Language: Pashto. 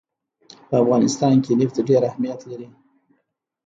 په افغانستان کې نفت ډېر اهمیت لري.